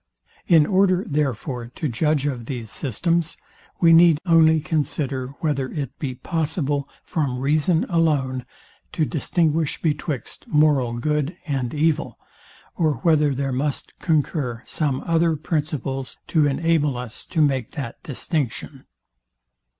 In order, therefore, to judge of these systems, we need only consider, whether it be possible, from reason alone, to distinguish betwixt moral good and evil, or whether there must concur some other principles to enable us to make that distinction.